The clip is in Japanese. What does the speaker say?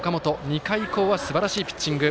２回以降はすばらしいピッチング。